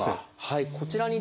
こちらにですね